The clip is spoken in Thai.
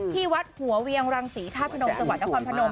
ที่วัดหัวเวียงรังสีธาปธนมส์จังหวัดนครภนมส์